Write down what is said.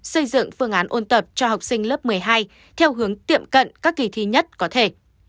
xây dựng phương án ôn tập cho học sinh lớp một mươi hai theo hướng tiệm cận các kỳ thi nhất có thể